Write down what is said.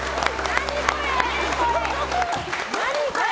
何これ？